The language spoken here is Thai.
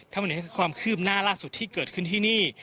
ทำเนื้อความคืบหน้าล่าสุดที่เกิดขึ้นที่นี่